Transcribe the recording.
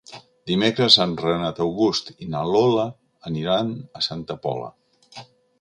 Dimecres en Renat August i na Lola aniran a Santa Pola.